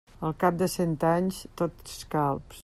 Al cap de cent anys, tots calbs.